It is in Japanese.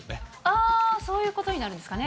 あー、そういうことになるんですかね。